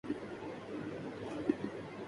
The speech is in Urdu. ایک مضبوط و توانا پاکستان قائم کرنے کے لئیے ۔